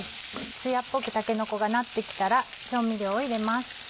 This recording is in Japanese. ツヤっぽくたけのこがなってきたら調味料を入れます。